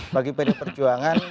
bagi pdi perjuangan